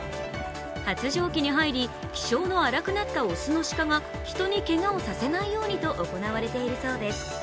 発情期に入り、気性の荒くなった雄の鹿が人にけがをさせないようにと行われているそうです。